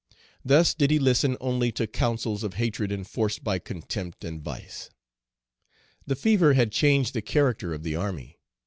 Thus did he listen only to counsels of hatred enforced by contempt and vice. The fever had changed the character of the army.